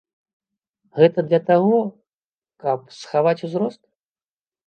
Гэта для таго, каб схаваць узрост?